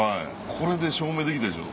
これで証明できたでしょ